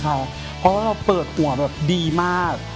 เพราะว่าเราเปิดหัวดีมาก